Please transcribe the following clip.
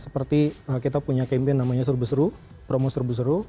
seperti kita punya campaign namanya seru beseru promo seru beseru